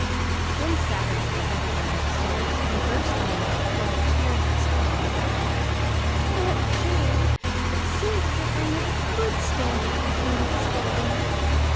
One Saturday Rebecca ran upstairs and, bursting into a flood of tears, exclaimed, "Aunt Jane, it seems as if I never could stand her continual scoldings.